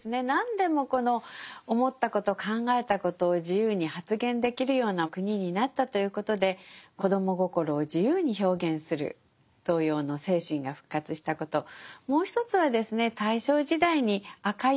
何でもこの思ったこと考えたことを自由に発言できるような国になったということで子ども心を自由に表現する童謡の精神が復活したこと。